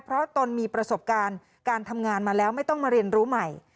เพราะตนมีประสบการณ์การทำงานมาแล้วไม่ต้องมาเรียนรู้ใหม่